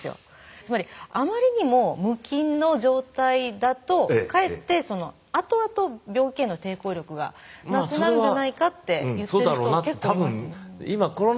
つまりあまりにも無菌の状態だとかえって後々病気への抵抗力がなくなるんじゃないかって言ってる人が結構いますね。